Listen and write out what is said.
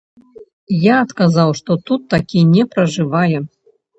Я адказаў, што тут такі не пражывае.